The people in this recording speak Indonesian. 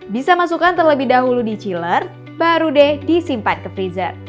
bisa masukkan terlebih dahulu di chiller baru deh disimpan ke freezer